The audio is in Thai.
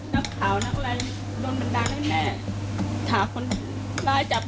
ถ้าคราวหนักรายโดนบันดังให้แม่